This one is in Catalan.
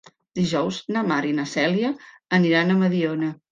Dijous na Mar i na Cèlia aniran a Mediona.